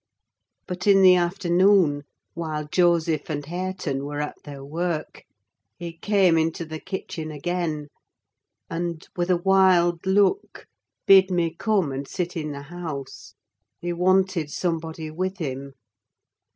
But in the afternoon, while Joseph and Hareton were at their work, he came into the kitchen again, and, with a wild look, bid me come and sit in the house: he wanted somebody with him.